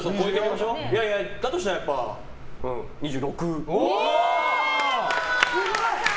だとしたらやっぱ２６。